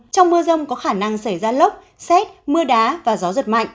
trong mưa rông có khả năng xảy ra lốc xét mưa đá và gió giật mạnh